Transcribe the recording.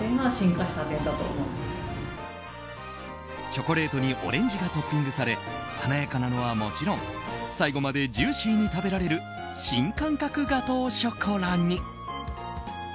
チョコレートにオレンジがトッピングされ華やかなのはもちろん最後までジューシーに食べられる新感覚ガトーショコラに。